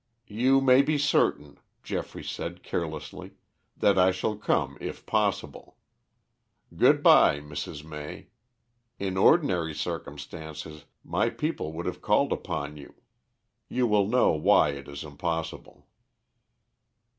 "You may be certain," Geoffrey said carelessly, "that I shall come if possible. Good bye, Mrs. May. In ordinary circumstances my people would have called upon you. You will know why it is impossible."